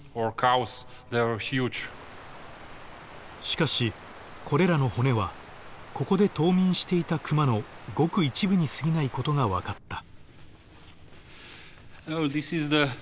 しかしこれらの骨はここで冬眠していたクマのごく一部にすぎないことが分かった。